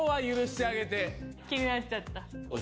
気になっちゃった。